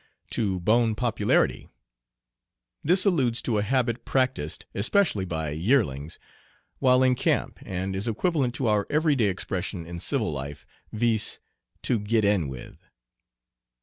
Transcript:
"To bone popularity." This alludes to a habit practised, especially by, "yearlings" while in camp, and is equivalent to our every day expression in civil life, viz., "to get in with."